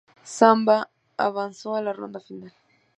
Zambia avanzó a la ronda final.